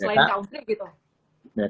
mungkin selain country gitu